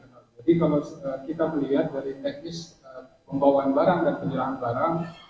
jadi kalau kita melihat dari teknis pembawaan barang dan penjelangan barang